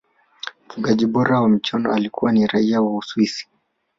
mfungaji bora wa michuano alikuwa ni raia wa uswisi